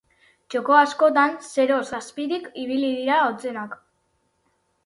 Txoko askotan zeroz azpitik ibili dira hotzenak.